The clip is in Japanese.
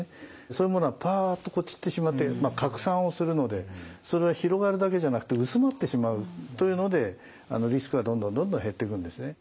そういうものはパッと散ってしまって拡散をするのでそれは広がるだけじゃなくて薄まってしまうというのでリスクがどんどんどんどん減ってくんですね。